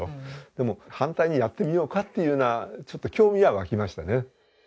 でも反対にやってみようかというようなちょっと興味は湧きましたね。